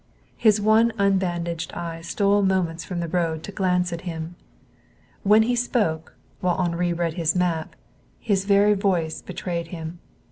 His one unbandaged eye stole moments from the road to glance at him. When he spoke, while Henri read his map, his very voice betrayed him.